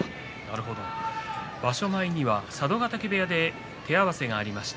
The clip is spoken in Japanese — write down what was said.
場所前には佐渡ヶ嶽部屋で手合わせがありました。